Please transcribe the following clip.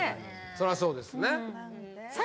そりゃそうですね